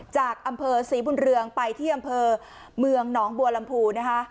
จากอำเภอศรีบุญเรืองไปที่อำเภอเมืองหนองบัวลำพูนะคะ